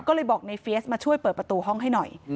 ก็เลยบอกในเฟียสมาช่วยเปิดประตูห้องให้หน่อย